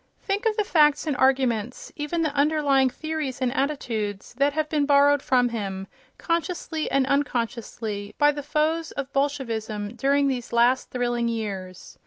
Think of the facts and arguments, even the underlying theories and attitudes, that have been borrowed from him, consciously and unconsciously, by the foes of Bolshevism during these last thrilling years!